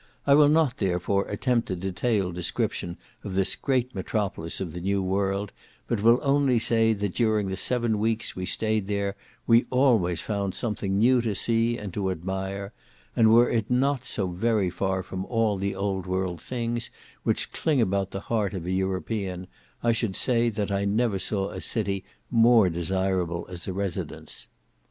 I will not, therefore, attempt a detailed description of this great metropolis of the new world, but will only say that during the seven weeks we stayed there, we always found something new to see and to admire; and were it not so very far from all the old world things which cling about the heart of an European, I should say that I never saw a city more desirable as a residence.